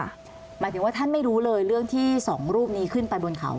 หมายถึงว่าท่านไม่รู้เลยเรื่องที่สองรูปนี้ขึ้นไปบนเขา